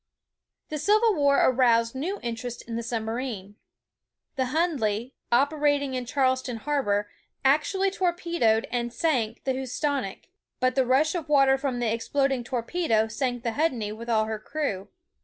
The Civil War aroused new interest in the submarine. The Hundley, operating in Charleston harbor, actually torpedoed and sank the Housatonic, but the rush of water from the exploding torpedo sank the Hundley with all her crew.